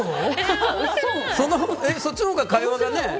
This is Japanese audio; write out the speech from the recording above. そっちのほうが会話がね。